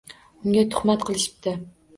Unga tuhmat qilishibdi